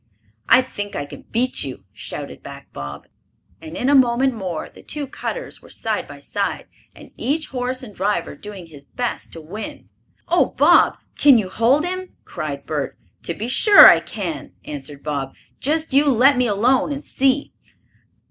"I think I can beat you!" shouted back Bob, and in a moment more the two cutters were side by side, and each horse and driver doing his best to win. "Oh, Bob, can you hold him?" cried Bert. "To be sure I can!" answered Bob. "Just you let me alone and see."